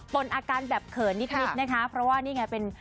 ่นอาการแบบเขินนิดนะคะเพราะว่านี่ไงเป็น